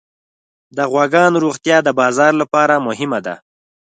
د غواګانو روغتیا د بازار لپاره مهمه ده.